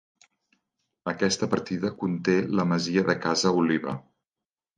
Aquesta partida conté la masia de Casa Oliva.